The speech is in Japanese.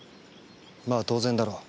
まあ当然だろう。